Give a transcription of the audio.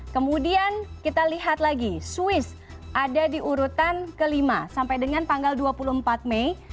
kemudian kita lihat lagi swiss ada di urutan kelima sampai dengan tanggal dua puluh empat mei